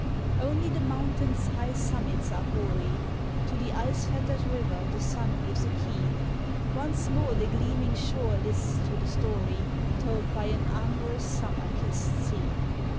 Only the mountains' high summits are hoary, To the ice fettered river the sun gives a key. Once more the gleaming shore lists to the story Told by an amorous Summer kissed sea.